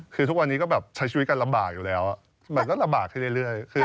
คือทุกวันนี้ก็แบบใช้ชีวิตกันลำบากอยู่แล้วมันก็ลำบากขึ้นเรื่อย